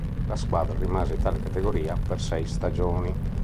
La squadra rimase in tale categoria per sei stagioni.